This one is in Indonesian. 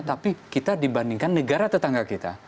tapi kita dibandingkan negara tetangga kita